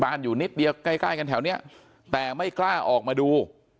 อยู่นิดเดียวใกล้ใกล้กันแถวนี้แต่ไม่กล้าออกมาดู